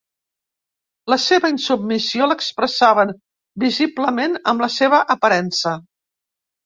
La seva insubmissió l'expressaven visiblement amb la seva aparença.